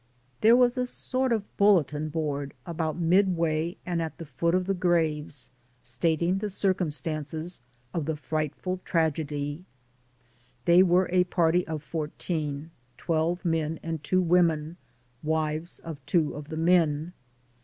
There was a sort of bulletin board about midway and at the foot of the graves stating the circumstances of the frightful tragedy. They were a party of fourteen, twelve men and two women, wives of two of the men.